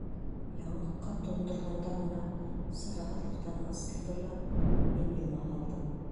Яңаҡҡа тондорғанда ғына сараһыҙлыҡтан асылды ла мин йома һалдым.